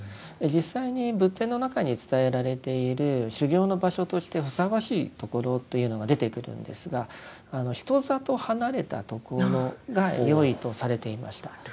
実際に仏典の中に伝えられている修行の場所としてふさわしいところというのが出てくるんですが人里離れたところがよいとされていました。